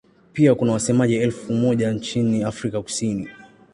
Pia kuna wasemaji elfu moja nchini Afrika Kusini.